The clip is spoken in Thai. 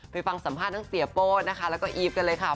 ไปฟังสัมภาษณ์ทั้งเสียโป้นะคะแล้วก็อีฟกันเลยค่ะ